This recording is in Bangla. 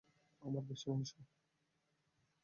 আমার পেছনে এসো!